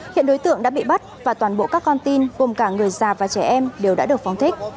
hiện đối tượng đã bị bắt và toàn bộ các con tin gồm cả người già và trẻ em đều đã được phóng thích